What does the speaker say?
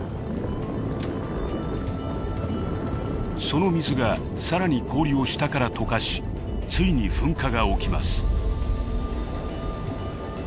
その水が更に氷を下から解かしついに噴火が起きます。